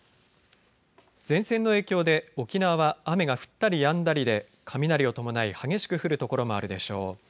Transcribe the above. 前線の影響で沖縄は雨が降ったりやんだりで雷を伴い激しく降る所もあるでしょう。